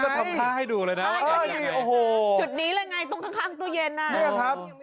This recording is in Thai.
นี่ก็ทำค่าให้ดูเลยนะชุดนี้แหละไงตรงข้างตู้เย็นอ่ะ